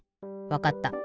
わかった。